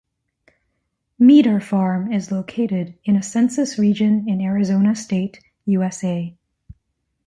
Meadar farm is located in a census region in Arizona State, U.S.A.